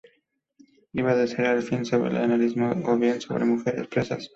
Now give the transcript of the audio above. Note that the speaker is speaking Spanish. Iba a ser un film sobre el nazismo o bien sobre mujeres presas.